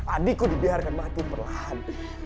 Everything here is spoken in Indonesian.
adikku dibiarkan mati perlahan